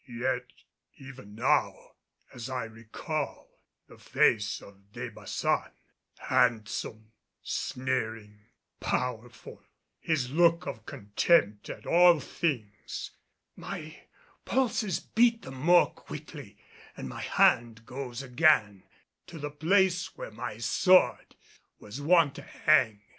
Yet even now, as I recall the face of De Baçan, handsome, sneering, powerful, his look of contempt at all things, my pulses beat the more quickly and my hand again goes to the place where my sword was wont to hang.